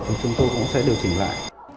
thì chúng tôi cũng sẽ điều chỉnh lại